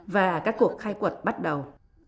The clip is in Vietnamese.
và các cuộc khai quật bắt đầu